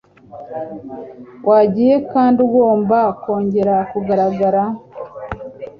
Wagiye kandi ugomba kongera kugaragara